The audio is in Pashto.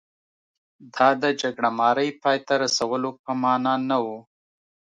دا د جګړه مارۍ پای ته رسولو په معنا نه و.